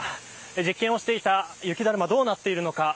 実験をしていた雪だるまどうなっているのか。